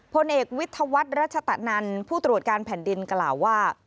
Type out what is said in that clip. พลเอกวิทยาวัฒน์รัชตะนันผู้ตรวจการแผ่นดินกล่าวว่า